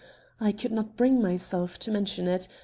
I could not bring myself to mention it.